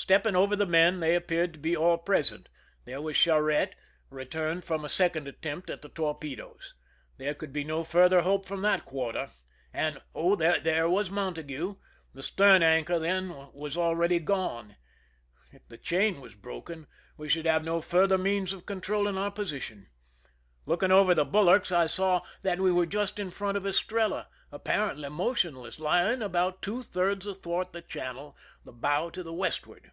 Stepping over the men, they appeared to be all present. There was Charette, returned from a second attempt at the torpedoes. There could be no further hope from that quarter, and, oh ! there was Montague ! The stern anchor, then, was already gone. If the chain was broken, we should have no further means of controlling our position. Looking over the bulwarks, I saw that we were just in front of Estrella, apparently motionless, lying about two thirds athwart the channel, the bow to the westward.